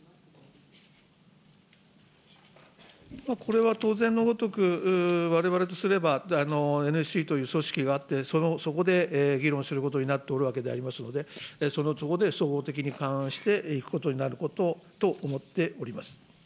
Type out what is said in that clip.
これは当然のごとく、われわれとすればＮＳＣという組織があって、そこで議論することになっておるわけでありますので、そこで総合的に勘案していくことになることと思っております。